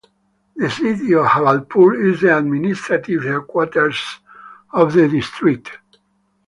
The city of Jabalpur is the administrative headquarters of the district.